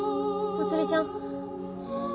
まつりちゃん？